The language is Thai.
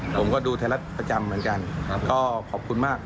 ผมก็ดูไทยรัฐประจำเหมือนกันก็ขอบคุณมาก